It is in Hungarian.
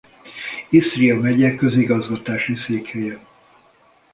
Isztria megye közigazgatási székhelye.